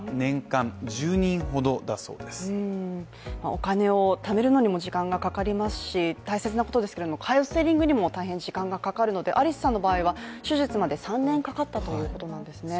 お金をためるのにも時間がかかりますし大切なことですが、カウンセリングにも大変時間がかかるので、ありすさんの場合は手術まで３年かかったということなんですね。